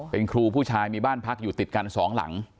เป็นครูผู้ชายมีบ้านพักอยู่ติดกันสองหลัง